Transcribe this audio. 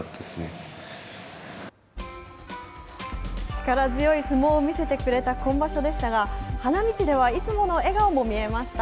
力強い相撲を見せてくれた今場所でしたが、花道では、いつもの笑顔も見えました。